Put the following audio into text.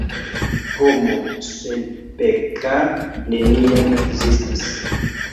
Homo senpeka neniam ekzistis.